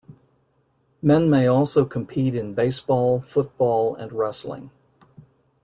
Men may also compete in baseball, football, and wrestling.